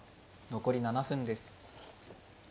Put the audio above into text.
残り７分です。